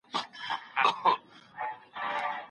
ټولنيز عوامل کوم دي؟